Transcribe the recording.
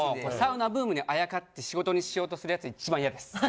サウナブームにあやかって仕事にしようとしてるやつ一番嫌です。